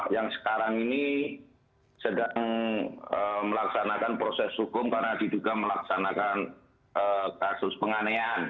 yang sekarang ini sedang melaksanakan proses hukum karena diduga melaksanakan kasus penganean